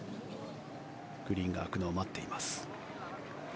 グリーンが空くのを待っています。